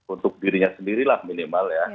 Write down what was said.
untuk dirinya sendirilah minimal ya